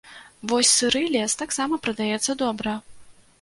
Вось сыры лес таксама прадаецца добра.